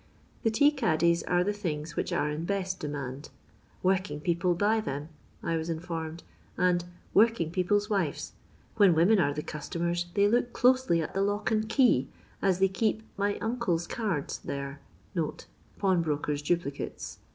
The tea caddies are the things which are in best demand. " Working people buy them," I was informed, and "working people's wives. When women are the customers they look closely at the lock and key, as they keep 'ny uncle's cards' there" (pawnbroker's duplicates).